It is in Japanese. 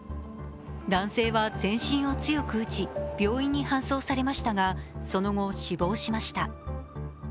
男性は全身を強く打ち、病院に搬送されましたが、その後、死亡しました。